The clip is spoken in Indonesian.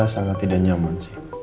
sangat tidak nyaman sih